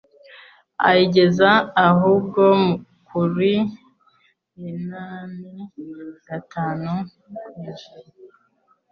ayigeza ahubwo kuri inani gatanu kw'ijana